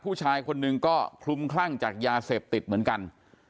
ผู้ชายคนหนึ่งก็คลุมคลั่งจากยาเสพติดเหมือนกัน